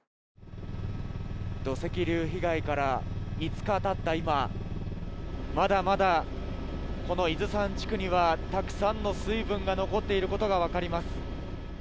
土石流被害から５日経った今まだまだ、この伊豆山地区にはたくさんの水分が残っているのが分かります。